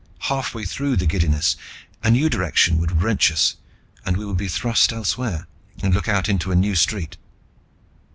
Halfway through the giddiness, a new direction would wrench us and we would be thrust elsewhere, and look out into a new street.